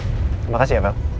terima kasih ya bel